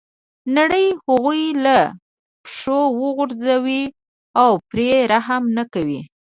نړۍ هغوی له پښو غورځوي او پرې رحم نه کوي.